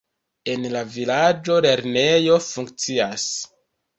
En la vilaĝo lernejo funkcias.